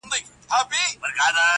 هر څوک خپله کيسه وايي تل,